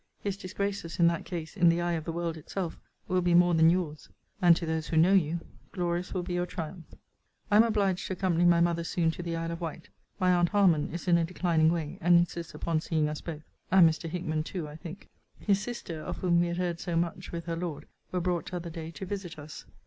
His disgraces, in that case, in the eye of the world itself, will be more than your's: and, to those who know you, glorious will be your triumph. I am obliged to accompany my mother soon to the Isle of Wight. My aunt Harman is in a declining way, and insists upon seeing us both and Mr. Hickman too, I think. His sister, of whom we had heard so much, with her lord, were brought t'other day to visit us.